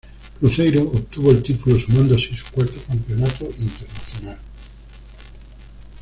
Cruzeiro obtuvo el título, sumando así su cuarto campeonato internacional.